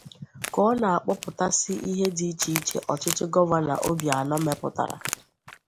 Ka ọ na akpọpụtasị ihe dị iche iche ọchịchị gọvanọ Obianọ meputara